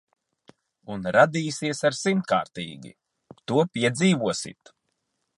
Un radīsies ar simtkārtīgi. To piedzīvosit.